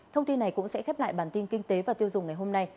thông tin này cũng sẽ khép lại bản tin kinh tế và tiêu dùng ngày hôm nay